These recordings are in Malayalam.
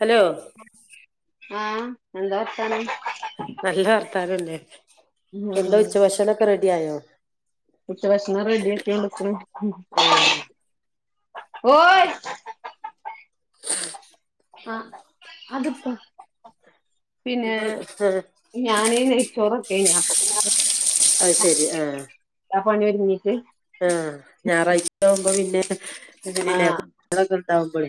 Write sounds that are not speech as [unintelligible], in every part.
ഹലോ ആ എന്താ വർത്താനം നല്ല വർത്താന ല്ലേ എന്താ ഉം ഉച്ചഭക്ഷണാക്കെ റെഡി ആയോ ഉച്ചഭക്ഷണം റെഡി ആക്കി കൊണ്ട് നിക്ക്ണു ഉം ഓയ് ആ അതിപ്പോ പിന്നെ എന്താ ആഹ് ഞാന് നൈച്ചോറ് ക്കേനീ അപ്പൊപിന്നെ അത് അത് ശെരി ഏ പണി ഒരുങ്ങീട്ട് ആ ഞായറാഴ്ച ആവുമ്പോ പിന്നെ അതുപിന്നെ ആഹ് കു ട്ട്യോ ളോക്കെ ഉണ്ടാവുമ്പോളെ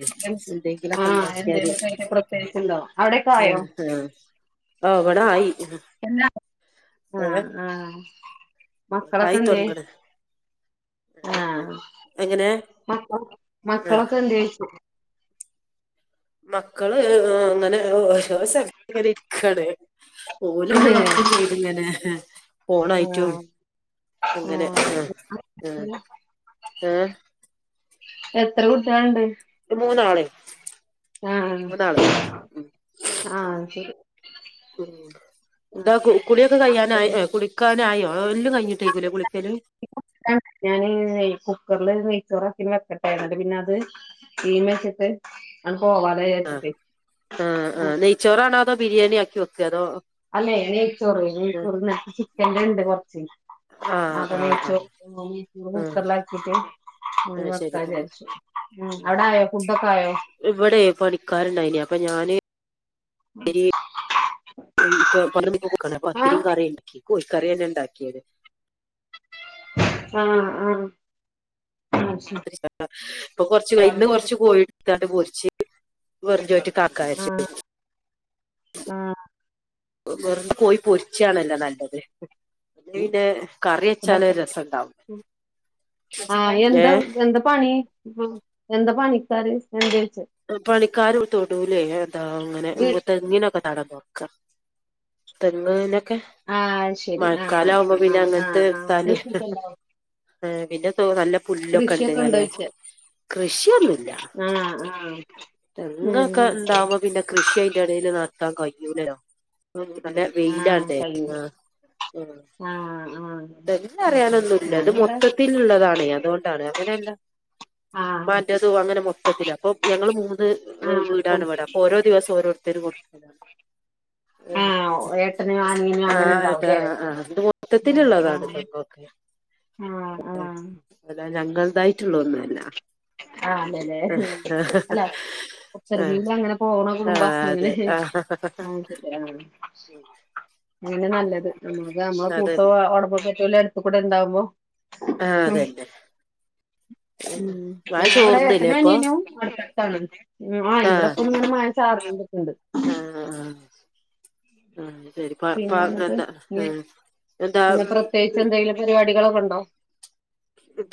എന്തെങ്കിലൊക്കെ ആഹ് ഉണ്ടാക്കിയാല് എന്തേലൊക്കെ ആയിട്ട് പ്രത്യേകിച്ചുണ്ടോ അവിടെക്കെ ആ ആയോ ആ ഓ ഇവടെ ആയി ആ ആ ആയിതൊടങ്ങ്ന് ആ മക്ക ആഹ് മക്കളൊക്കെ എന്തേയ്‌ ച്ച മക്കള് അങ്ങനെ ഓരോ സ്ഥലത്ത് ഇങ്ങനെ ഇരിക്കാണ് ഓല് ഒലെ വർക്ക് ചെയ്തു ഇങ്ങനെ ഫോണായിട്ടും ആഹ് അങ്ങനെ ആ ആഹ് ആ ഏ എത്ര കുട്ട്യേല്ണ്ട് മൂന്നാള് ആ മൂന്നാള് ആ ശരി ഉം എന്താ കുളിയൊക്കെ കയ്യാനായി ഹസ്ബൻഡ് കുളിക്കാനായോ എല്ലും കഴിഞ്ഞിട്ടേക്കും ലെ കുളി ഇപ്പൊ വരാ ഞാൻ [unintelligible] കുക്കറില് നെയ്ച്ചോറാക്കി വെക്കട്ടെ ന്നട്ട് പിന്നെ തീമെച്ചിട്ട് ആണ്ട് ആ ആ ആ് നെയ്ച്ചോറാണോ അതോ ബിരിയാണി ആക്കി വെക്കേ അതോ അല്ലെ നെയ്ച്ചോറ് ആഹ് നെയ്‌ച്ചോറ് ഇന്നലത്തെ ചിക്കൻ ഉണ്ട് കൊറച്ച് ആ ആഹ് ആഹ് നെയ്‌ച്ചോറ് ആഹ് കുക്കറിൽ ആക്കീട്ട് ങ്ങനെ ആഹ് ശരി വെക്കാ ആഹ് വിചാരിച്ചു ഉം അവിട ആയോ ഫുഡഡൊക്കെ ആയോ പണിക്കാര് ഉണ്ടായീനി അപ്പോ ഉം ഇപ്പൊ [unintelligible] പത്തിരിയും കറി ഉണ്ടാക്കി കോഴിക്കറിന്നെ ഇണ്ടാക്കിയത് ആ ആ [unintelligible] ഇപ്പൊ കൊറച്ച് ഇന്ന് കൊറച്ച് കോയിട് ത്താണ്ട് പോരിച്ച് വെറുഞ്ചോറ്റ്ക്ക് ആക്കാജാരിച്ചു ആ വെറും കോ യി പൊരിച്ചണല്ലോ നല്ലത് പിന്നെ അയ്‌ന്റെ കറി വെച്ചാല് രസുണ്ടാവും ആ എന്താ എന്താ പണി എന്താ പണിക്കാറ് എന്ത് വെച്ച് പണിക്കാര് തൊടൂല് അതാ അങ്ങനെ വീ തെങ്ങിനൊക്കെ തടം തോർക്കാ തെങ്ങ്നൊക്കെ ആഹ് ശരി മഴക്കാല ആഹ് ആകുമ്പോ പിന്നെ ആഹ് അങ്ങനത്തെ ആഹ് ഇ ആഹ് ട്ടാല് കൃഷിയൊക്കെ ഉണ്ടോ ഏ പിന്നെ നല്ല പുല്ലൊക്കെ ഉണ്ട് കൃഷിയൊക്കെ ങ്ങനെ ഉണ്ടോയ്ച്ച കൃഷിയൊന്നുല്ല ആഹ് ആഹ് ഉം തെങ്ങൊക്കെ ഇണ്ടാവുമ്പോ പിന്നെ കൃഷി അയിന്റെ ഇടൽ നടത്താൻ കഴിയൂലല്ലോ നല്ല ആഹ് വെയിലാണതേ കഴിയും ആ ഉം ആഹ് ആഹ് [unintelligible] അത് ശരി അറിയാനൊന്നുമല്ല അത് ഞാനിവിടെ മൊത്തത്തിലുള്ളതാണേ അതുകൊണ്ടാണ് അങ്ങനെ ല്ല ആഹ് മ്മാന്റേതും അങ്ങനെ മൊ മൊത്തത്തില് അപ്പൊ ഞങ്ങള് മൂന്ന് ആഹ് വീടാണ് കൊട് ഇവിടെ അപ്പൊ ഓരോ ദിവസം ഓരോരുത്തർ കൊടുക്കലാണ് ആഹ് ഏട്ടന് അനിയനും ആ അങ്ങനെ ആ ഉണ്ടാവുംല്ലേ ആ അത് മൊത്തത്തിലു ള്ളതാണ് ആഹ് തേങ്ങൊക്കെ ആഹ് ആഹ് അല്ല ഞങ്ങളതായിട്ടുള്ള ഒന്നും അല്ല ആ അല്ലല്ലെ അല്ല ഒത്തരു മേല് ആഹ് അങ്ങനെ പോണ ആഹ് കുടുംബാ ആഹ് അതെ അങ്ങനെ ആഹ് ആ ശരിയാ ആ അങ്ങനെ നല്ലത് നമ്മക്ക് നമ്മ കൂട്ടോ അതന്നെ ഒ ടപ്പപെറ്റോലോ അടുത്ത് കൂടെ ഉണ്ടാവുമ്പോ ആഹ് ഉം അതന്നെ ഉം മഴ ഞാൻ ഇവിടെ ചോർന്നില്ലേ ഏട്ടനും അ ഇപ്പൊ നിയനും അടുത്തടുത്താണ് ആ ഇവിടെപ്പോങ്ങനെ മഴച്ചാറിയോണ്ട്ക്ക് ണ്ട് ആ ആ ഉം ശരി പാ പിന്നെ പാ [unintelligible] എന്നിട്ട് എന്താ ഇനി എന്താ ഇന്ന് പ്രത്യേകിച്ച് [unintelligible] എന്തെങ്കിലും പരിപാടികളൊക്കെ ഉണ്ടോ?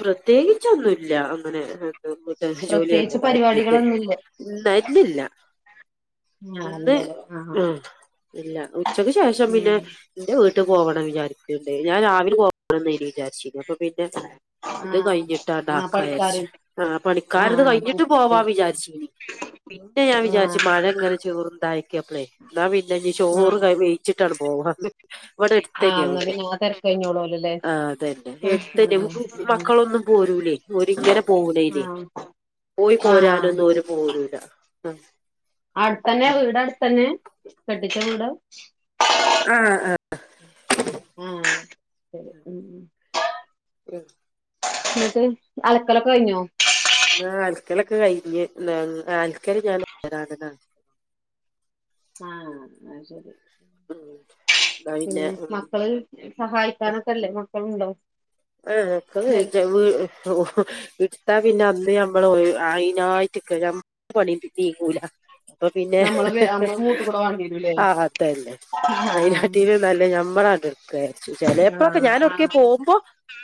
പ്രത്യേകിച്ചൊന്നുമല്ല അങ്ങനെ നമ്മട്ട ജോലിയല്ല പ്രത്യേകിച്ച് കാര്യായിട്ട് പരിപാടികളൊന്നുല്ല. ഇന്ന് ആഹ് ഇല്ലല്ലേ ആഹ് ആ ഇല്ല ഉച്ചക്ക് ശേഷം പിന്നെ എന്റെ വീട്ട ട്ട് പോവണം വിചാരിക്കണ്ട് ഞാൻ രാവിലെ പോകണംന്ന് വിചാരിച്ചീന അപ്പൊ പിന്നെ ഇത് ആഹ് ആഹ് കഴിഞ്ഞിട്ടാണ്ടാക്ക പണിക്കാര് വിചാരിച്ച ആഹ പണിക്കാര ഇത് ആഹ് കഴിഞ്ഞിട്ട് പോവാ പണിക്കാര് വിചാരിച്ചനി പിന്നെ ഞാൻ വിചാരിച്ചു ആഹ് മഴ ഇങ്ങനെ ചോറുന്തായക്ക അപ്പളെ എന്നാ പിന്നെ ചോറ് ആഹ് വെയ്ച്ചിട്ട് ഇവിടെ ആഹ് എടുത്തന്നെയ എന്നാ പിന്നെ ആ തെരക്ക് കഴിഞ്ഞോളൂലല്ലേ ആ വീട് എടുത്ത ആഹ് തന്നെയ മക്കളൊന്നും പോരൂലേ ഒരിങ്ങനാ പോകുന്നനെ ആഹ് പോയി ആഹ് പോരാനൊന്നും ഓര് പോരൂല അടുത്തന്നെ വീട് അടുത്തെന്ന കെട്ടിച്ച വീട് ആഹ ആഹ ആഹ ശരി ഉ ഉം എന്നിട്ട് അലക്കലൊക്കെ കഴിഞ്ഞോ അലക്കൊലെക്കെ കഴിഞ്ഞ് അലക്കൽ ഞാൻ ആഹ ആ ശരി പിന്നെ മക്കൾ സഹായിക്കാനൊക്കെല്ലേ മക്കളുണ്ടോ ആഹഒക വെടിക്കാ ഇടുത്താ പിന്ന ത് നമ്മള് അയിതിനായിട്ട് നിക്ക നമ്മള പണി നീങ്ങൂല അപ്പൊ പിന്നെ നമ്മളെ വേ നമ്മളെ മൂട്ട് കൂടെ വാണ്ടി വരൂല്ലേ ആ അതല്ലേ ആഹ് അയനാറ്റീൽ നമ്മള ച്ച ചിലപ്പോക്കെ ആഹ് ഞാൻ ഓട്ക്കെ ആഹ് പോകുമ്പോ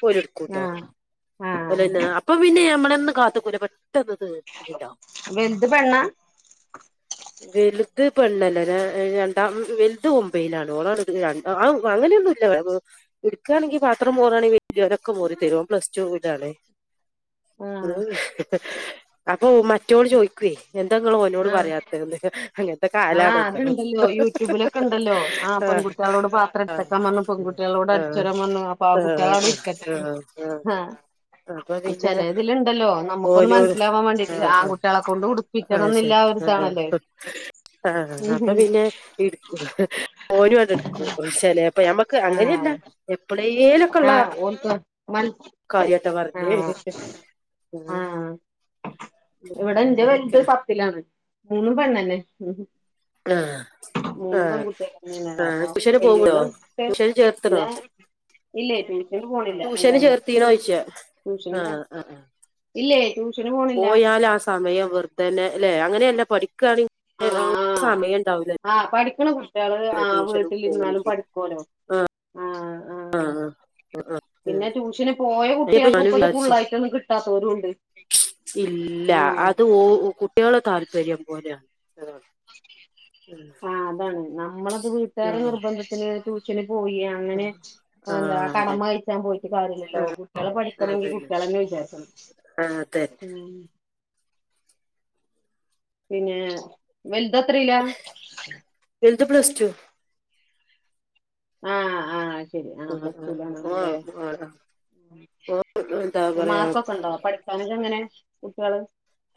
പ്പോഓല് എടുക്കൂട്ടോ ആഹ് ആഹ് അപ്പോപ്പിന്നെ നമ്മള ഒന്നും കാത്തുയ്ക്കൂല കിട്ടത് എണ്ടോ വലുത് പെണ്ണാ വലുത് പെണ്ണല്ല രണ്ടാം വലുത് ഒമ്പയിൽ ആണ് ഓളണേ എടുക്കുകണെങ്കി പാത്രം മോറാണെൽ വലിയവൻ ഒക മോറി തരും ഓന് പ്ലസ്ടുവിൽ ആണ് ഉ ആഹ് അപ്പൊ മറ്റൊൾ ചോയിക്കേ ന്താ ഇങ്ങൾ ഓനോട്‌ ആഹ് പറയാതെ അങ്ങനത്തെ ആഹ് കാലാണല്ലോ അത്ണ്ടല്ലോ യൂട്യൂബിലൊക്കെ ഉണ്ടല്ലോ ആഹ് ആഹ പെൺകുട്ടികളോട് പാത്രം ആ എടുത്തക്കാൻ പറഞ്ഞു പെൺകുട്ടികളോട് ആഹ അടിച്ചരാൻ പറഞ്ഞു അപ്പൊ ആ കുട്ടികൾ ആഹ ആഹ് ആഹ ചില ഇതിലുണ്ടല്ലോ നമുക്കൊന്ന് ഓനോട് മനസ്സിലാവാൻ വേണ്ടിട്ട് ആഹ് ആഹ് ആൺകുട്ടികളെ കൊണ്ട് ഉടുപ്പ കണന്നില്ലല്ല ഒരുതണല്ലേ സത്ത് ആഹ അപ്പൊ പിന്നെ എടുക്ക് ഓൻയാതെടുക്കും ചിലപ്പം ഞമ്മക്ക് അങ്ങനെ ആഹ് എപ്പേലുമൊകയുള്ള ആഹ് ഓൽക്ക് മൻ കാര്യാട്ടോ പറഞ്ഞ ആഹ് ഉഹ ആഹ് ഇവിടെ എന്റെ വലുത് പത്തിലാണ് മൂന്നും പെണ്ണന്നെ ഉ ആഹ് മൂന്നും ആഹ് പെൺകുട്ടികന്നടാ ആഹ് അപ്പൊ ട്യൂഷന് പോവോ വല്ലിയോള് ട്യൂഷന് ചേർത്തണോ പിന്നെ ഇല്ല ട്യൂഷന് പോണില്ല ട്യൂഷന് അല്ലെന്ന ചേർത്തീനോയ്ച്ചാ ഇല്ല ട്യൂഷ പോയാൽ ആ സമയം വെറുതെനല്ലേ അങ്ങനെ അല്ല പടിക്കണേൽ ആഹ് ആഹ് സമയം ഉണ്ടാവൂല ആഹ് പഠിക്കണ കുട്ടിയെൾ വീട്ടിൽ ഇരുന്നാലും പോവാണെങ്കില് പഠിക്കാല്ലോ ആഹ ആഹ് ആഹ് ആഹ് പിന്നെ ആഹ് ട്യൂഷന് പോയ അയ്നിപ്പ കുട്ടികൾക്ക് ഞാനും ഇപ്പത് വിചാരിച്ച് ഫുള്ളായിട്ട് കിട്ടാത്തൊരുണ്ട് ഇല്ല അത് ഓ കുട്ടികളെ താല്പര്യം പോലെ ആ അതാണ് നമ്മളത് വീട്ടുകാരുടെ ഉം നിർബന്ധത്തിന്ട്ട് പോയി അങ്ങനെ എന്താ ആഹ് ആഹ് ആഹ് അതെ കടമകഴിച്ചാൻ ആയിട്ട് പോയിട്ട് കാര്യല്ലോ കുട്ടികളെ ആഹ് പഠിക്കണെങ്കിൽ അതന്നെ കുട്ടികളെെ ആഹ് അതന്നെ [unintelligible] പിന്നെ വലുതെത്രെല ഇത് പ്ലസ് ടു ആഹ ആഹ് ശരി ആ ആഹ് ആഹ് പ്ലസ്ടുആണല്ലേ ആഹ് ആഹ് ഓ എന്താ പറയാ മാർക്കൊക്കെ ഉണ്ടോ പഠിക്കാനോക്കെങ്ങനെ കുട്ട്യാൾ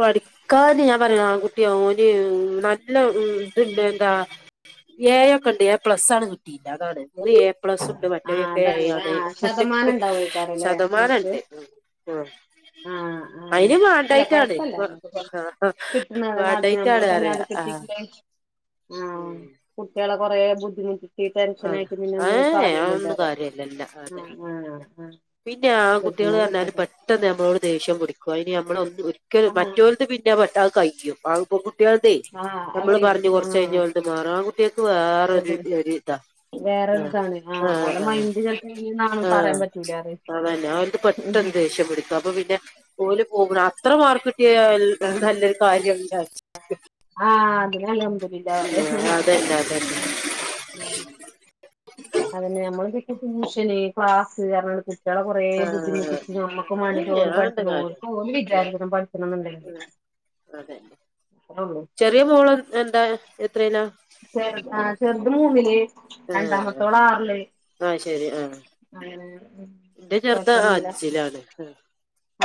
പഠിക്കാ ഞാൻ പറയ ആ കുട്ടിയ ന് നല്ല ഇത്ണ്ട് എന്താ ഏ ഒക്ക ഉണ്ട് ഏ പ്ലസ് ആണ് കിട്ടിയില്ല അതാണ് അ എ പ്ലസ് ഉണ്ട് ആ അതാണല്ലേ മറ്റൊക്കെയാണ് ആ ശതമാനം ഉണ്ടാവോയ്ക്കാരല്ലേ ശതമാനംണ്ട് ആ ആഹ ആഹ അല്ല കൊഴപ്പല്യ ഇപ്പൊ കിട്ടനെ മതി വേണ്ടായിട്ടാണ് നമ്മളപ്പോ അറിയ ഞാത ആഹ് കിട്ടില്ലേ ആഹ ഉം കുട്ടികളെ കൊറെ ബുദ്ധിമുട്ടി ടെൻഷൻ അതെ ആയിട്ട പിന്നെ ഒന്നും ഏഹ് കാര്യല്ലല്ല അതൊന്നും കാര്യല്ലല്ല അതെ ആ ആ ആ പിന്നെ ആ കുട്ടികൾ കിട്ടുന്നത് ഞ്ഞാൽ കിട്ടട്ടെ പെട്ടെന്ന് നമ്മളോട് ദേഷം പുടിക്കും അതിന് നമ്മള ഒ ഒരിക്കലൽ ആ മറ്റോരത്ത് പിന്നെ പെട്ട ന്ന് കഴിയും ആ പെക്കു കുട്ടികളത്തെേ ആ അത് നമ്മള് കഴിയും പറഞ്ഞ് ആ കൊറച്ച കഴിഞ്ഞഒലത് മാറും ആ കുട്ടികൾക്ക് വേറൊരു ഒരു ഒര് ആ വേറൊരിതാണ് ആ ആ ഓലെ മൈൻഡ് ചെലപ്പോ ഇങ്ങനെന്നാണ് ആ പറയാൻ പറ്റൂല അതന്നെ അവ പറയും പെട്ടെന്ന് ദേഷ്യം പിടിക്കുക അപ്പൊ പിന്നെ പോല പോകുമ്പോ അത്ര മാർ കിട്ടിയ നല്ല കാര്യം ചർച്ചും ആഹ അതി അതന്നെ [unintelligible] അതന്നെ നമ്മളെന്തൊക്കെ ട്യൂഷന് ക്ലാസ് ർഞാണ്ട്ക്കും കുട്ടികള കുറേ ബുദ്ധിമുട്ടിച്ച് നമ്മുക്ക് വേണ്ടിട്ട് ഓ അതന്നെ പഠിച്ചഓ ആഹ് ഏഹ് അതെന്താ കാര്യം വിചാരിക്കണം പഠിക്കണം എന്നുണ്ടെങ്കില് [unintelligible] അതെ ചെറിയ മോള് എന്താ എത്രേലാ ചെ ആ ചെറുത് മൂന്നില് ആഹ് രണ്ടാമത്തോളം ആറില്ലേ ആഹ് ശരി ആഹ് ആ എന്റെ ചെറുത അഞ്ചിലാണ്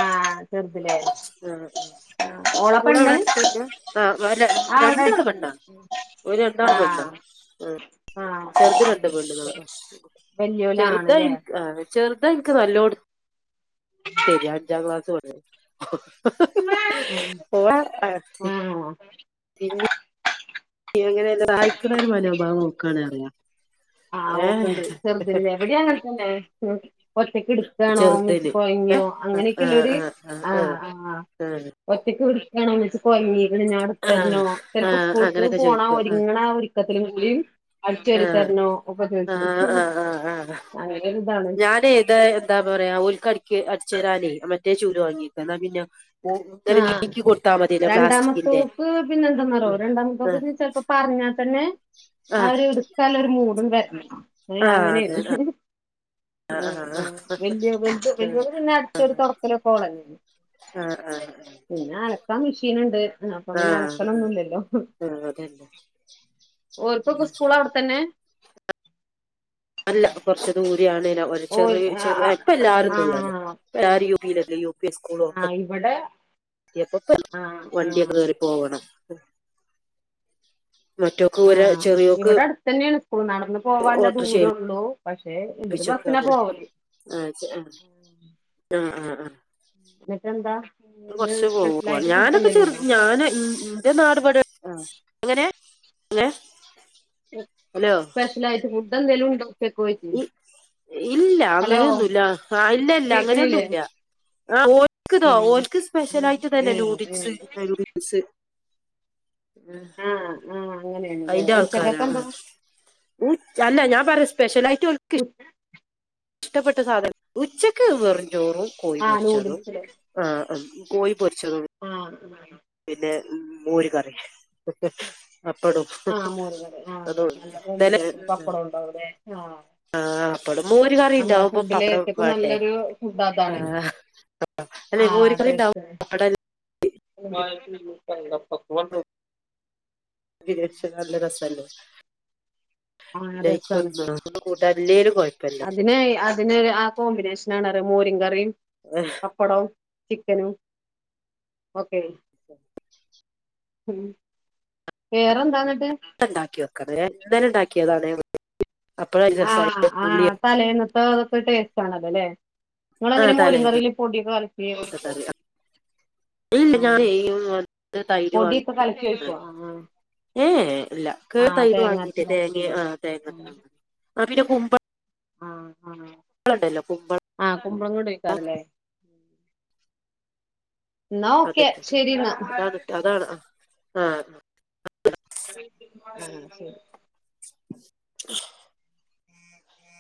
ആഹ് ചെറുതിലേ ആഹ ഉഹ ഉ ആഹ് ഓളെ സ്കൂള പെണ്ണ് എവിടെടുത്തന്നെ ആ ആഹ് അവിടെ രണ്ടാള് അടുത്തന്നെ പെണ്ണോ ഒരു രണ്ടാണം പെണ്ണാ ആഹ് ഉ ആഹ് ചെറുത് രണ്ട [unintelligible] വല്യോലാണ്ല്ലേ ചെറുതായിക് ചെറുതാ എനിക്ക് നല്ലോ തരി അഞ്ചാം ക്ലാസ് പോ ഹ് ഉം ഹ് ഹ് പോ ആഹ് പിന്നെ എങ്ങനെ ആായക്കുള്ള ഒരു മനോഭാവം നോക്കുകാണ് അറിയാം ആഹ് ഓക്കണ്ട് ചെറുതല്ല എവിടെ [unintelligible] ഒറ്റക് എടുക്കണോ മച്ച് ചെറുതിന് ഏഹ് പഴങ്ങിയോ ആഹ് അങ്ങനെയൊക്കെള്ളൊരു ആഹ് ആ ആഹ് ആ ആഹ് ആഹ് ഒറ്റയ്ക്ക് പിടിക്കണ വട്ടച്ച് കൊഴങ്ങി ഇ ഞ ആഹ് അടുത്തരണോ ചിലപ്പോ ആഹ് സ്കൂൾക്ക് അങ്ങനൊക്കെ പോണ ചോയിക്കും ആഹ് ഒരുങ്ങണ ഒരുരിക്കത്തിലും കൂടി അടിച്ചറിത്തരണോ ഒക്കെ ചോയിച്ചും ഞാൻ ഏത് എന്താ പറയാ ഒരുക്ക് അടി അടിച്ചുരാനേ മറ്റേ ചൂട് വാങ്ങിക്ക എന്നാ പിന്നെ ഇങ്ങനെ ആഹ നീക്കി കൊടുത്താ മതിയല്ലോ പ്ലാസ്റ്റിക്കിന്റെ രണ്ടാമത്തോക്ക് പിന്നെ എന്താെന്നാറോ രണ്ടാമത്തെ ആഹ് തോക്ക് ചപ്പോ പറഞ്ഞ അാൽ തന്നെ ആഹ് ആര് എടുക്കാല ഒരു മൂടും വരണം ആഹ് അതെ അങ്ങനെയാണ് ആ ആഹ് ആഹ് ആ വല്യത് ആഹ് ആഹ് ആഹ് വല്യ പിന്നെ അടിച്ചൊരു തുടക്കലൊക്കന്നേ ആഹ ആ പിന്നെ അലക്കാ മെഷീൻ ഉണ്ട് ആ അപ്പൊ അങ്ങനെ ആഹ് അടക്കലൊന്നുംല്ലല്ലോ ആഹ് അതന്നെ ഓർപ്പ സ്കൂള അവിടെത്തന്നെ അല്ല കൊറച്ച ദൂര ആണേന ഓ ചെറിയ ചെറിയ ആഹ് ഇപ്പ എല്ലാരും ദൂടരുന്നു തിരളിയോ ആഹ ഇവിടെ പ്പപ്പ ആഹ് വണ്ടിയൊക്കെ ആഹ് കേറി പോകണം മറ്റൊക്ക് ഒരാ ആഹ് ചെറിയോക്ക് ഇവിടെ അടുത്ത് തന്നെയാണ് നടന്ന് പോവാല്ലേ ഓട്ടോറിക്ഷ ദൂരള്ളൂ പക്ഷെ എന്തരു ബസിന ഏൽപ്പിച്ചേക്കാണ് പോവലേ ആ ഇന്ന് കുറച്ച് പോവ സ്പെഷ്യലായിട്ട് ഫുഡ് ഞാനൊക്കെ എന്തേലും ചെറു ഉണ്ടോ ഞാന ഇന്റെ നാടപടി ആ എങ്ങനെ ങ്ങ സ്പഷലായിട്ട് ഫുഡ് ന്തേലും ഉണ്ടക്കയിട്ട ഇല്ല അങ്ങനെയൊന്നുമല്ല ആ ഇല്ല ഇല്ല കേക്കണില്ലേ അങ്ങനെയൊന്നുമല്ല ആ ഓൽക്ക് ഇതോ ഉം ഓൽക്ക് ഉം സ്പെഷ്യൽ ആയിട്ട് തന്നെ ഏഹ് ഏഹ് നൂഡിൽസ് നൂഡിൽസ് ഉം ഉം അയിന്റെ ആൾക്കാരാ ആ അല്ല ഞാൻ പറയാ സ്പെഷ്യൽായിട്ട്ഷ ഇഷ്ടപ്പെട്ട സാധനം ഉച്ചക്ക് വെറുംചോറും കോഴ ആഹ് പൊരിച്ചതും കോഴ ആ പിന്നെ മോര് കറി അപ്പടും ആഹ് മോര് കറി ആഹ് നല്ല കോമ്പിനേഷൻ അതൊള്ളു പപ്പടം ഉണ്ടാവൂലേ ആഹ് ആ അപ്പളും മോര് നമ്മളെ കറിണ്ടാവുമ്പൊ ഫുഡില് പപ്പടും ഏറ്റക്കും വാണ്ടേ നല്ലൊരു ഫുഡ് ആ അതാണ് അല്ലെ മോര് കറിണ്ടാവും പക്ക നല്ല രസല്ലേ ആ രസമാണ് നെയ്ക്കൊന്ന് ഒന്നും കൂട്ടാനില്ലേലും കൊഴപ്പല്ല അതിനെ പിന്നെ ആ കോമ്പിനേഷന ആണ അ മോരി കറിയും പപ്പടവും ചിക്കനും ഓക്കെ ഉണ്ടാക്കി വെക്ക എന്ത ഉണ്ടാക്കിയതാണ് അപ്പഴ ആ രസായി ആ ഉള്ളിയും തലേന്നത്ത അതൊക്കെ ടേസ്റ്റ് ആണതല്ലെ ആ നിങ്ങളങ്ങനെ മോര് തലേന്ന് കറിൽ പൊടിയൊക്കെ കളിക്ക കറി ഇല്ല അത് തൈര് വാങ്ങി പൊടിയൊക്കെ കലക്കി വെക്കോ ഏ ഇല്ല കേ ത ഇത് വാങ്ങീട്ടേ കറി തേങ്ങ വെക്കൂലേ ആ തേങ്ങങ്ങ ആ പിന്നെ കുമ്പ ആ ആഹ് കുമ്പളടേക്കാരല്ലേ അത്ട്ട്ട്ട് ശരിന്നാ അതാണ്ട്ട് അതാണ് ആഹ് ആ ശരി